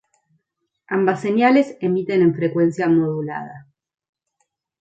Ambas señales emiten en frecuencia modulada.